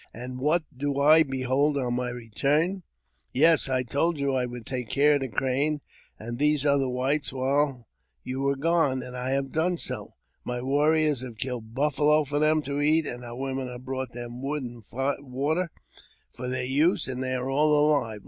An< what do I behold on my return ?"'' Yes, I told you I would take care of the Crane and thei other whites while you were gone, and I have done so. My warriors have killed buffalo for them to eat, and our women have brought them wood and water for their use, and they are all alive.